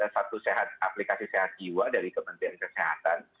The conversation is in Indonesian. satu aplikasi sehat jiwa dari kementerian kesehatan